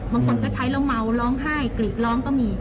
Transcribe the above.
บางคนก็ใช้แล้วเมาร้องไห้กรีดร้องก็มี